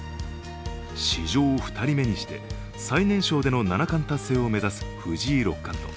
史上２人目にして、最年少での七冠達成を目指す藤井六冠。